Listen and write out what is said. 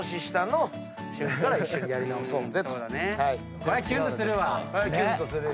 これキュンとするわ！